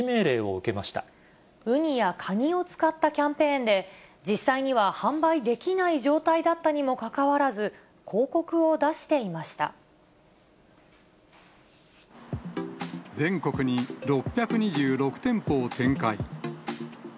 うにやかにを使ったキャンペーンで、実際には販売できない状態だったにもかかわらず、広告を出してい全国に６２６店舗を展開。